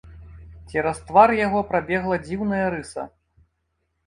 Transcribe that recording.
Цераз твар яго прабегла дзіўная рыса.